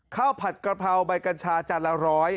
ข้าวผัดกระเพราใบกัญชาจานละ๑๐๐